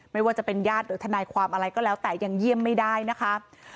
ไม่ว่าจะเป็นญาติหรือทนายความอะไรก็แล้วแต่ยังเยี่ยมไม่ได้นะคะ